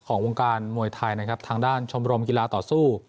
ของวงการมวยไทยนะครับทางด้านชมรมกีฬาต่อสู้